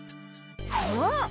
そう！